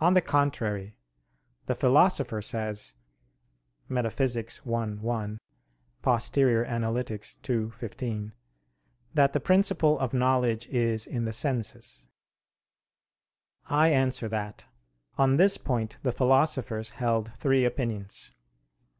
On the contrary, The Philosopher says (Metaph. i, 1; Poster. ii, 15) that the principle of knowledge is in the senses. I answer that, On this point the philosophers held three opinions.